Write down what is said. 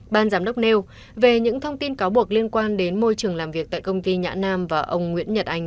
ban giám đốc nêu về những thông tin cáo buộc liên quan đến môi trường làm việc tại công ty nhã nam và ông nguyễn nhật anh